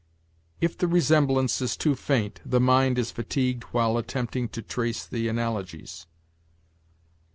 "If the resemblance is too faint, the mind is fatigued while attempting to trace the analogies."